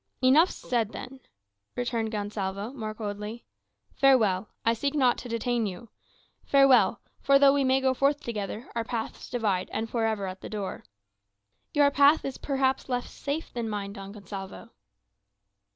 "Enough said then," returned Gonsalvo, more coldly. "Farewell; I seek not to detain you. Farewell; for though we may go forth together, our paths divide, and for ever, at the door." "Your path is perhaps less safe than mine, Don Gonsalvo."